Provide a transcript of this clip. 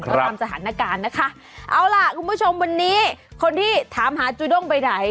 ก็ตามสถานการณ์นะคะเอาล่ะคุณผู้ชมวันนี้คนที่ถามหาจูด้งไปไหน